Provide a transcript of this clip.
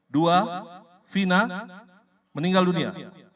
dua vina meninggal dunia